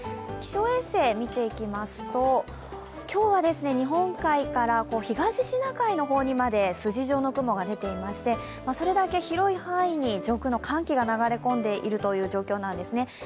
気象衛星見ていきますと今日は日本海から東シナ海の方にまで筋状の雲が出ていましてそれだけ広い範囲に上空の寒気が流れ込んでいる状況なんです。